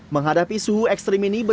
menghadapi suhu ekstrim ini